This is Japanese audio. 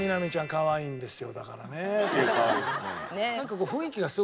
かわいいですね。